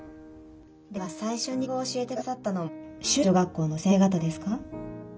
では最初に英語を教えて下さったのも修和女学校の先生方ですか？